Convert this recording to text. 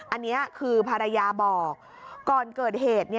อันนี้คือภรรยาบอกก่อนเกิดเหตุ